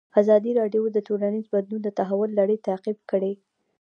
ازادي راډیو د ټولنیز بدلون د تحول لړۍ تعقیب کړې.